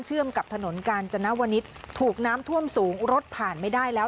กับถนนกาญจนวนิษฐ์ถูกน้ำท่วมสูงรถผ่านไม่ได้แล้ว